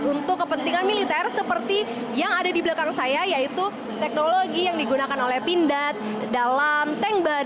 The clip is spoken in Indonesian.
untuk kepentingan militer seperti yang ada di belakang saya yaitu teknologi yang digunakan oleh pindad dalam tank bar